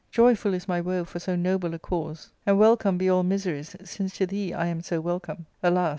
Joyful is my woe for so noble a cause ; and welcome be all 352 ARCADIA,— Book III. miseries, since *to thee I am so welcome. Alas